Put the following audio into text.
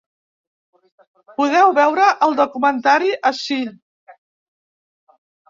Podeu veure el documentari ací.